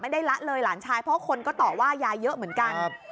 ได้ละเลยหลานชายเพราะคนก็ต่อว่ายายเยอะเหมือนกัน